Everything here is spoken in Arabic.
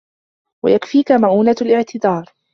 وَيَكْفِيكَ مَئُونَةَ الِاعْتِذَارِ